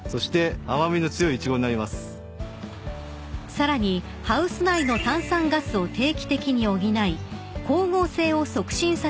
［さらにハウス内の炭酸ガスを定期的に補い光合成を促進させる機械を導入］